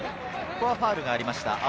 ここはファウルがありました。